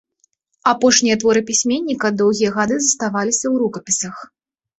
Апошнія творы пісьменніка доўгія гады заставаліся ў рукапісах.